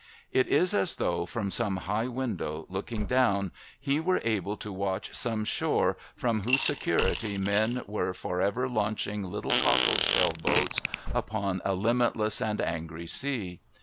It is as though, from some high window, looking down, he were able to watch some shore, from whose security men were for ever launching little cockle shell boats upon a limitless and angry sea.